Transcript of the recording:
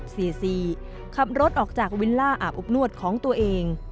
เสียซีขับรถออกจากวิลล่าอาบอบนวดของตัวเอง